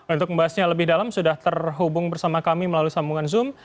untuk membahasnya lebih dalam sudah terhubung bersama kami melalui sambungan zoom